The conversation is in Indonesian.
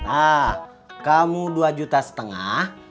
ah kamu dua juta setengah